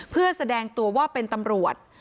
เพื่อแสดงตัวว่าเป็นตำรวจ